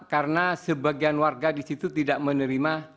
karena sebagian warga di situ tidak menerima